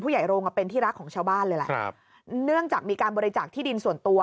ใหญ่โรงอ่ะเป็นที่รักของชาวบ้านเลยแหละครับเนื่องจากมีการบริจาคที่ดินส่วนตัว